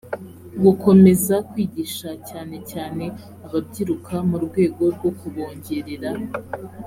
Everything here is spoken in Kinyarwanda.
gukomeza kwigisha cyane cyane ababyiruka mu rwego rwo kubongerera